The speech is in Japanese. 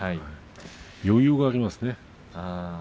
余裕がありますね。